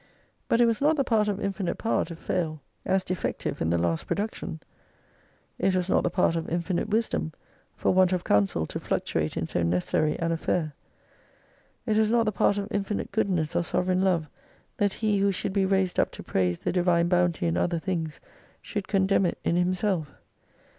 But it was not the part of infinite power to fail as defective in the 296 last production ; it was not the part of infinite wisdom, for want of council to fluctuate in so necessary an affair ; it was not the part of infinite goodness or sovereign love, that he, who should be raised up to praise the Divine Bounty in other things, should condemn it in himself.